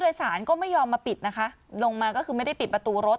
โดยสารก็ไม่ยอมมาปิดนะคะลงมาก็คือไม่ได้ปิดประตูรถ